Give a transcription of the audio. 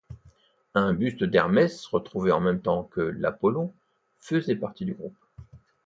Un buste d'Hermès, retrouvé en même temps que l'Apollon, faisait partie du groupe.